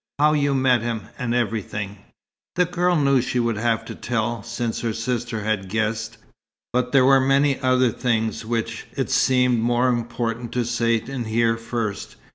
"How you met him, and everything." The girl knew she would have to tell, since her sister had guessed, but there were many other things which it seemed more important to say and hear first.